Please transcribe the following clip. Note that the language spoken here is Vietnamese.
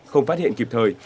không phát hiện kịp thời